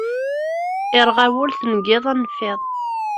Irɣa wul, tengiḍ a nnfiḍ.